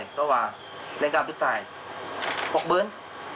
พวกก็บอกว่าเล่นการทุกท่ายพวกเบื้อน